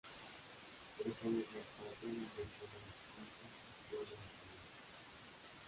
Tres años más tarde ingresó en el extinto Museo de la Trinidad.